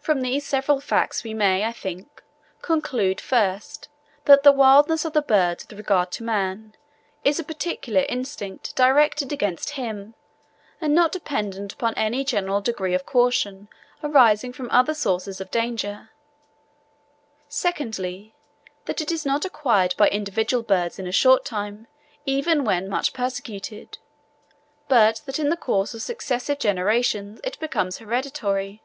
From these several facts we may, I think, conclude, first, that the wildness of birds with regard to man, is a particular instinct directed against him, and not dependent upon any general degree of caution arising from other sources of danger; secondly, that it is not acquired by individual birds in a short time, even when much persecuted; but that in the course of successive generations it becomes hereditary.